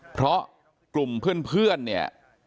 เพราะกลุ่มเพื่อนเนี่ย